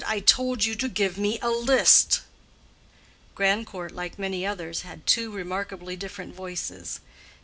I told you to give me a list." Grandcourt, like many others, had two remarkably different voices.